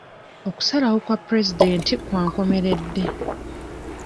Okusalawo kwa pulezidenti kwa nkomeredde.